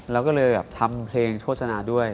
เราก็เลยแบบทำเพลงโฆษณาด้วย